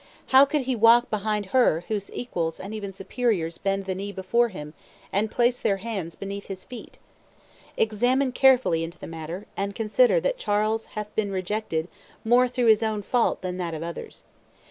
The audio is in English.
How could he walk behind her whose equals and even superiors bend the knee before him and place their hands beneath his feet? Examine carefully into the matter, and consider that Charles hath been rejected more through his own fault than that of others.